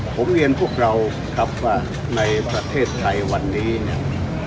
ผมเรียนพวกเราครับว่าในประเทศไทยวันนี้เนี่ย